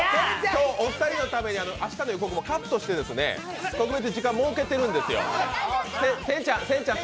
今日、お二人のために明日の予告もカットして特別に時間を設けているんですよ。